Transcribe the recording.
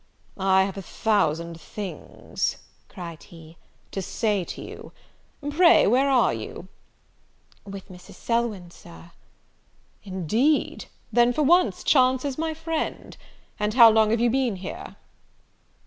"I have a thousand things," cried he, "to say to you. Pray where are you?" "With Mrs. Selwyn, Sir." "Indeed! then, for once, chance is my friend. And how long have you been here?"